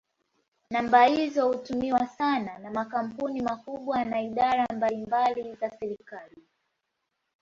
Namba hizo hutumiwa sana na makampuni makubwa na idara mbalimbali za serikali.